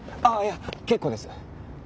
ああいや結構です。